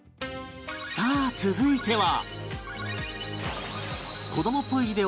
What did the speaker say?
さあ続いては